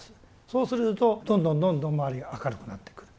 そうするとどんどんどんどん周りが明るくなってくる。